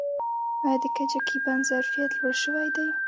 آیا د کجکي بند ظرفیت لوړ شوی دی؟